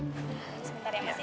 biarin aja deh mbak